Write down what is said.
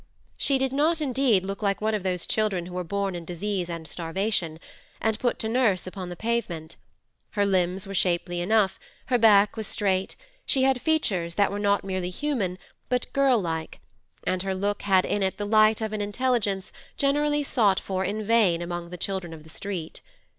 She did not, indeed, look like one of those children who are born in disease and starvation, and put to nurse upon the pavement; her limbs were shapely enough, her back was straight, she had features that were not merely human, but girl like, and her look had in it the light of an intelligence generally sought for in vain among the children of the street.